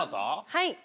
はい！